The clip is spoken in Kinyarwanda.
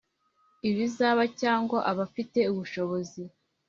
ibizaba, cyangwa abafite ubushobozi,